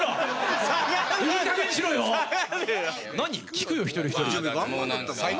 聞くよ一人一人。